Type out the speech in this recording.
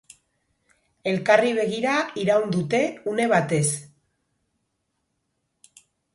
Elkarri begira iraun dute une batez.